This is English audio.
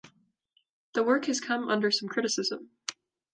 The work has come under some criticism.